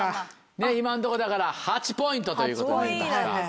ねっ今のとこだから８ポイントということになりました。